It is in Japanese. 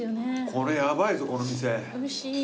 これヤバいぞこの店。